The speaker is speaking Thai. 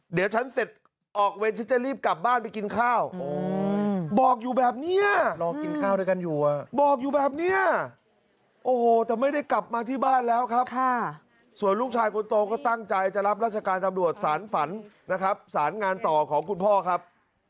เดี๋ยวฉันเสร็จออกเวรฉันจะรีบกลับบ้านไปกินข้าวบอกอยู่แบบนี้รอกินข้าวด้วยกันอยู่อ่ะบอกอยู่แบบเนี้ยโอ้โหแต่ไม่ได้กลับมาที่บ้านแล้วครับส่วนลูกชายคนโตก็ตั้งใจจะรับราชการตำรวจสารฝันนะครับสารงานต่อของคุณพ่อครับ